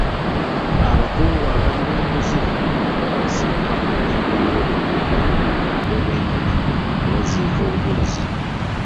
Abakungu abali b'enguzi abasinga banoonya engeri y'okudduka obwenkanya nga baziika obujulizi.